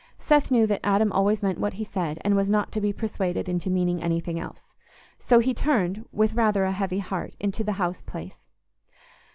Seth knew that Adam always meant what he said, and was not to be persuaded into meaning anything else. So he turned, with rather a heavy heart, into the house place.